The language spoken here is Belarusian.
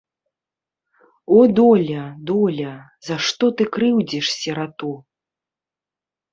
О, доля, доля, за што ты крыўдзіш сірату.